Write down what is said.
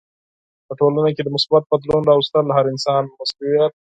په ټولنه کې د مثبت بدلون راوستل هر انسان مسولیت دی.